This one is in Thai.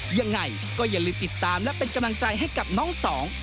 ยังไงก็อย่าลืมติดตามและเป็นกำลังใจให้กับน้องสอง